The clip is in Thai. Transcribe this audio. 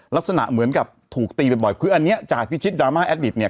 ลักษณะเหมือนกับถูกตีบ่อยคืออันนี้จากพิชิตดราม่าแอดดิตเนี่ย